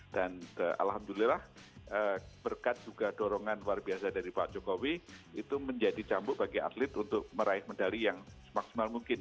dan alhamdulillah berkat juga dorongan luar biasa dari pak jokowi itu menjadi campur bagi atlet untuk meraih medali yang maksimal mungkin